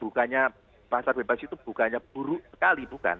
bukannya pasar bebas itu bukannya buruk sekali bukan